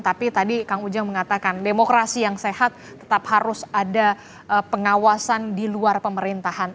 tapi tadi kang ujang mengatakan demokrasi yang sehat tetap harus ada pengawasan di luar pemerintahan